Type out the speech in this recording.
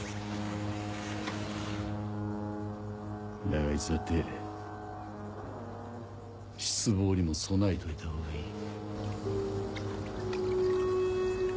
だがいつだって失望にも備えといたほうがいい。